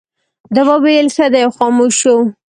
ده وویل ښه دی او خاموش شو.